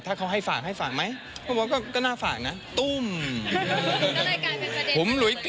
ถ้าเขาให้ฝากให้ฝากไหม